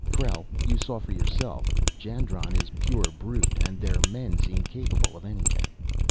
"Krell you saw for yourself, Jandron is pure brute, and their men seem capable of anything.